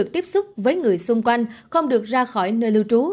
tiếp xúc với người xung quanh không được ra khỏi nơi lưu trú